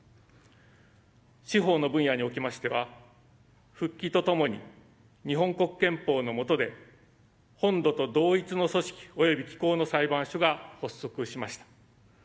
司法の分野におきましては復帰とともに、日本国憲法の下で本土と同一の組織及び機構の裁判所が発足しました。